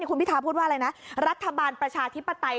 คุณพิทาพูดว่าอะไรนะรัฐบาลประชาธิปไตย